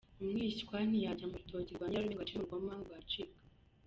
Umwishywa ntiyajya mu rutoki rwa Nyirarume ngo acemo urukoma, ngo rwacika.